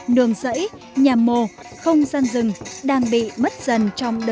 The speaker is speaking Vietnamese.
đường dẫy nhà mồ không gian rừng đang bị mất dần trong